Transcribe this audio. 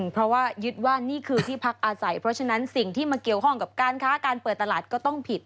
เพราะว่ายึดว่านี่คือที่พักอาศัยเพราะฉะนั้นสิ่งที่มาเกี่ยวข้องกับการค้าการเปิดตลาดก็ต้องผิด